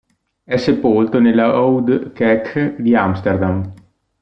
È sepolto nella Oude Kerk di Amsterdam.